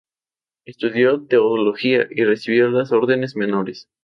Estudió teología y recibió las órdenes menores.